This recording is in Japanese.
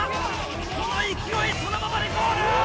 この勢いそのままでゴール！